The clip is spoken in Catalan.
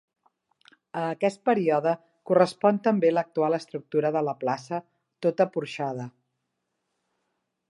A aquest període correspon també l'actual estructura de la plaça, tota porxada.